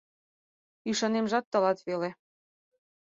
— Ӱшанемжат тылат веле...